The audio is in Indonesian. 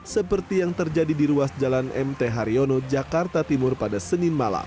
seperti yang terjadi di ruas jalan mt haryono jakarta timur pada senin malam